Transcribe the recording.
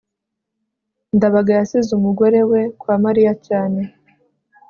ndabaga yasize umugore we kwa mariya cyane